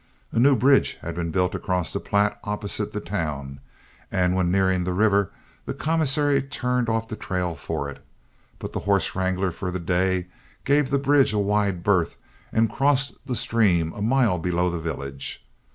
A new bridge had been built across the Platte opposite the town, and when nearing the river, the commissary turned off the trail for it, but the horse wrangler for the day gave the bridge a wide berth and crossed the stream a mile below the village.